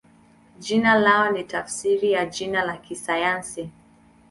Jina lao ni tafsiri ya jina la kisayansi.